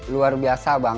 luar biasa bang